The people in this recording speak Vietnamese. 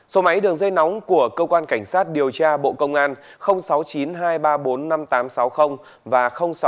số máy đường dây nóng của cơ quan cảnh sát điều tra bộ công an sáu mươi chín hai trăm ba mươi bốn năm nghìn tám trăm sáu mươi và sáu mươi chín hai trăm ba mươi hai một nghìn sáu trăm sáu mươi